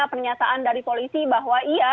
pernyataan dari polisi bahwa